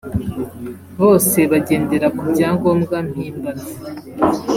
bose bagendera ku byangombwa mpimbano